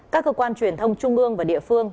các cơ quan truyền thông trung ương và địa phương